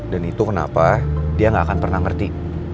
dan itu kenapa dia gak akan pernah ngerti